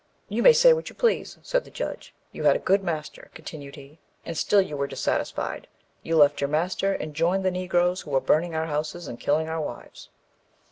"You may say what you please," said the judge. "You had a good master," continued he, "and still you were dissatisfied; you left your master and joined the Negroes who were burning our houses and killing our wives."